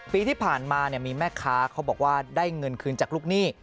ปีที่ผ่านมามีแม่ค้าเขาบอกว่าได้เงินคืนจากลูกหนี้